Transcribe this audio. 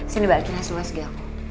sini balikin hasil usg aku